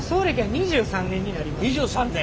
２３年？